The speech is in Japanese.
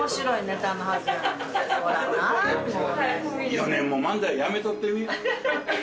４年も漫才やめとってみ。